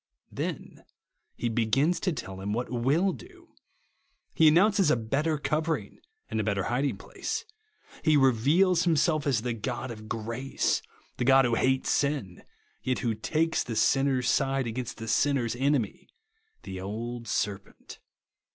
Then he begins to tell him what will do. He announces a better cover ing and a better hiding place. He reveals himself as the God of grace, the God who hates sin, yet who takes the sinner's side against the sinner's enemy, — the old serpent.